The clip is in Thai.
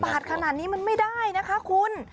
บาทขนาดนี้มันไม่ได้นะคะคุณ